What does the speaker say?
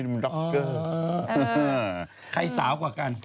มันดูเป็นล็อกเกอร์เออเออใครสาวกว่ากัน